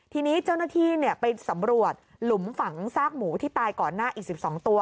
ทีนี้เจ้าหน้าที่ไปสำรวจหลุมฝังซากหมูที่ตายก่อนหน้าอีก๑๒ตัว